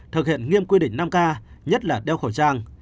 thực hiện nghiêm quy định năm k nhất là đeo khẩu trang